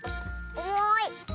おもい！